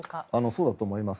そうだと思います。